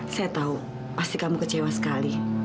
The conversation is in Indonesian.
saya tahu pasti kamu kecewa sekali